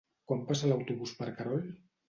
Quan passa l'autobús per Querol?